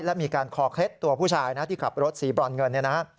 และมีการคอเคล็ดตัวผู้ชายนะที่ขับรถสีบรอนเงินเนี่ยนะ